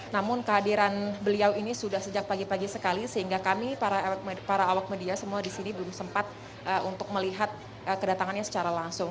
namun kehadiran beliau ini sudah sejak pagi pagi sekali sehingga kami para awak media semua disini belum sempat untuk melihat kedatangannya secara langsung